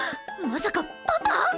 まさかパパ！？